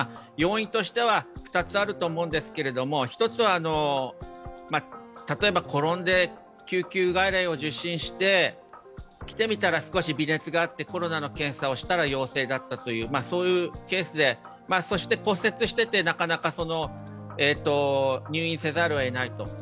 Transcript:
要因としては２つあると思うんですけれども、１つは例えば転んで救急外来を受診して来てみたら少し微熱があってコロナの検査をしたら陽性だったというケースで、そして骨折してて、なかなか入院せざるをえないと。